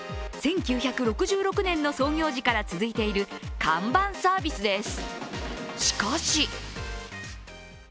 １９６６年の創業時から続いている看板サービスです。